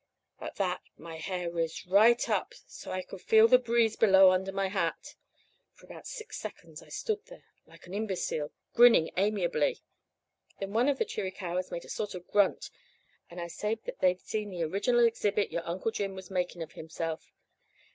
At that my hair riz right up so I could feel the breeze blow under my hat. For about six seconds I stood there like an imbecile, grinning amiably. Then one of the Chiricahuas made a sort of grunt, and I sabed that they'd seen the original exhibit your Uncle Jim was making of himself.